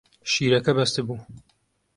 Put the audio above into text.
شیرەکە بەستبوو.